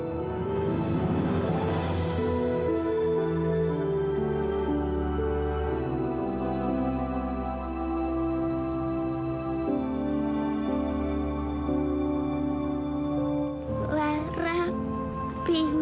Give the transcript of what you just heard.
kalau kalian tetap suka sama bu dan